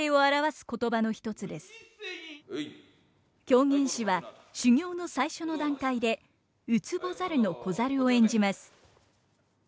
狂言師は修業の最初の段階で「靭猿」の子猿を演じます。